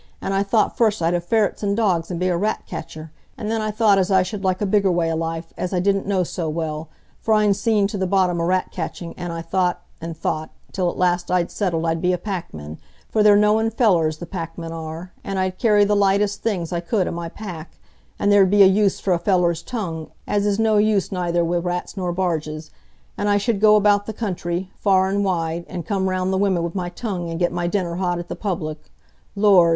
An' I thought first I'd ha' ferrets an' dogs, an' be a rat catcher; an' then I thought as I should like a bigger way o' life, as I didn't know so well; for I'n seen to the bottom o' rat catching; an' I thought, an' thought, till at last I settled I'd be a packman,—for they're knowin' fellers, the packmen are,—an' I'd carry the lightest things I could i' my pack; an' there'd be a use for a feller's tongue, as is no use neither wi' rats nor barges. An' I should go about the country far an' wide, an' come round the women wi' my tongue, an' get my dinner hot at the public,—lors!